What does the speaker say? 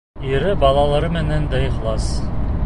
Ире, балалары менән дә ихлас.